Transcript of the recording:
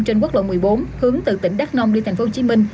trên quốc lộ một mươi bốn hướng từ tỉnh đắk nông đi tp hcm